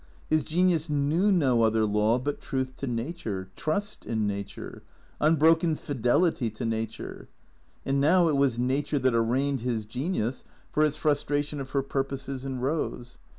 His genius knew no other law but truth to Nature, trust in Nature, unbroken fidelity to Nature. And now it was Nature that arraigned his genius for its frustration of her pur poses in Eose.